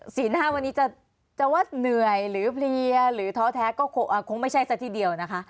สีหน้าวันนี้จะว่าเหนื่อยหรือเพลียหรือท้อแท้ก็คงไม่ใช่ซะทีเดียวนะคะ